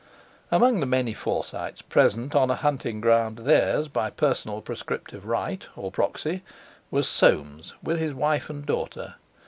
Among the many Forsytes, present on a hunting ground theirs, by personal prescriptive right, or proxy, was Soames with his wife and daughter.